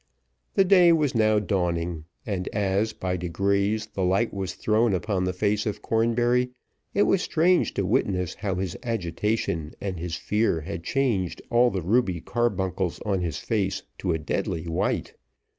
The day was now dawning, and as, by degrees, the light was thrown upon the face of Cornbury, it was strange to witness how his agitation and his fear had changed all the ruby carbuncles on his face to a deadly white.